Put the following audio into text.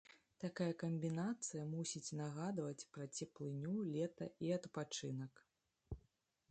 Такая камбінацыя мусіць нагадваць пра цеплыню, лета і адпачынак.